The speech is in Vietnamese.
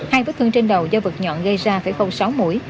hai vết thương trên đầu do vật nhọn gây ra phải không sáu mũi